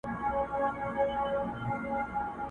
ما د ایپي فقیر اورغوي کي کتلې اشنا٫